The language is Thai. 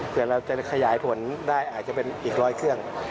เพื่อเราจะขยายผลได้อาจจะเป็นอีกร้อยเครื่อง